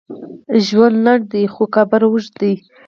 ژوند لنډ دی، خو قبر اوږد دی.